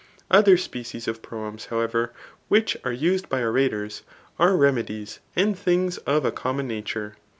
Other species of proems, however, which are used by orators, are remedies, and things of a common nature.